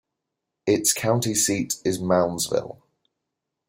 Its county seat is Moundsville.